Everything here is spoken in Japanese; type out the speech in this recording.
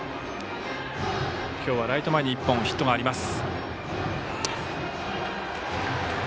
今日はライト前にヒット１本あります。